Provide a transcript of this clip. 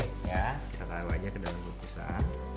kita taruh aja ke dalam gungkusan